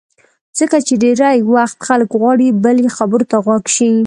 ځکه چې ډېری وخت خلک غواړي بل یې خبرو ته غوږ شي.